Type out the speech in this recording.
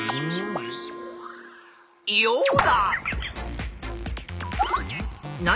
ヨウダ！